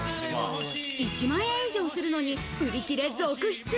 １万円以上するのに売り切れ続出。